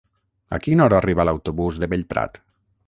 A quina hora arriba l'autobús de Bellprat?